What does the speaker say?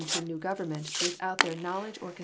TEXAS 187 to a new Grovernment without their knowledge or chap.